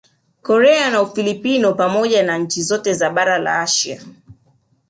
Korea na Ufilipino pamoja na nchi zote za bara la Asia